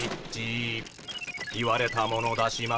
言われたもの出します。